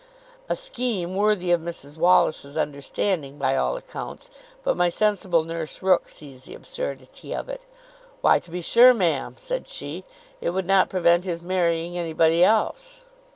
A scheme, worthy of Mrs Wallis's understanding, by all accounts; but my sensible nurse Rooke sees the absurdity of it. 'Why, to be sure, ma'am,' said she, 'it would not prevent his marrying anybody else.